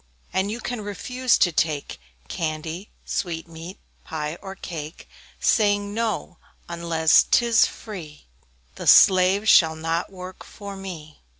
And you can refuse to take Candy, sweetmeat, pie or cake, Saying "no" unless 'tis free "The slave shall not work for me."